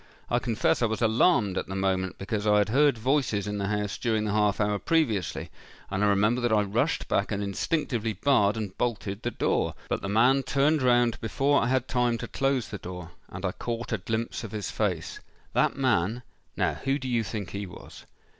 I confess I was alarmed at the moment, because I had heard voices in the house during the half hour previously; and I remember that I rushed back and instinctively barred and bolted the door. But the man turned round before I had time to close the door—and I caught a glimpse of his face. That man—now who do you think he was?"